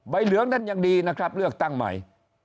เหลืองนั้นยังดีนะครับเลือกตั้งใหม่